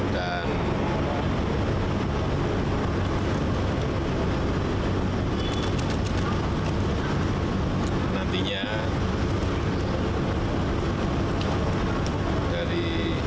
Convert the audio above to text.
dan nantinya dari